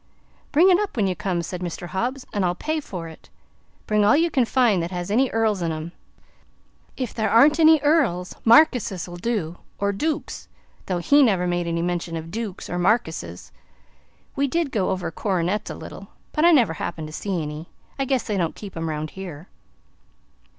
"Bring it up when you come," said Mr. Hobbs, "an' I'll pay for it. Bring all you can find that have any earls in 'em. If there aren't earls, markises'll do, or dooks though HE never made mention of any dooks or markises. We did go over coronets a little, but I never happened to see any. I guess they don't keep 'em 'round here."